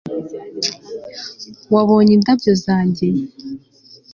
wabonye indabyo zanjye